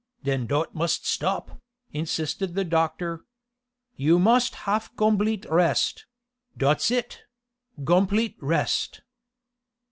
"Den dot must stop," insisted the doctor. "You must haf gomplete rest dot's it gomplete rest."